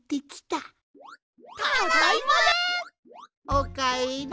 おかえり。